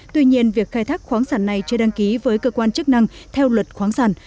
tuy nhiên việc khai thác khoáng sản này chưa đăng ký với cơ quan chức năng theo luật khoáng sản